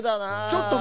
ちょっと！